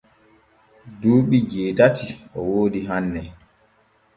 Duuɓi jeetati o woodi hanne.